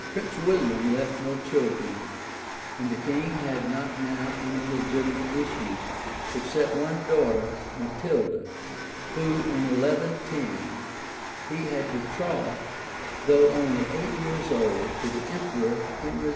Prince William left no children; and the king had not now any legitimate issue, except one daughter, Matilda, whom, in 1110, he had betrothed, though only eight years of age,[] to the emperor Henry V.